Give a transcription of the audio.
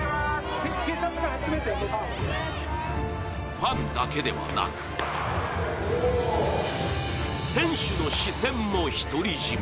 ファンだけではなく選手の視線も独り占め。